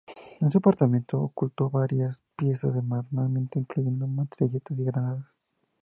En su apartamento ocultó varias piezas de armamento, incluyendo metralletas y granadas.